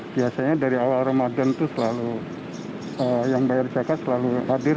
biasanya dari awal ramadan itu selalu yang bayar zakat selalu hadir